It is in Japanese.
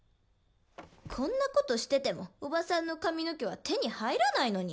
こんなことしててもおばさんの髪の毛は手に入らないのに。